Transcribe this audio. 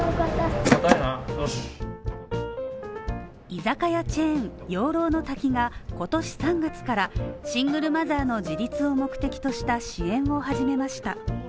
居酒屋チェーン・養老乃瀧が、今年３月からシングルマザーの自立を目的とした支援を始めました。